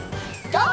ＧＯ！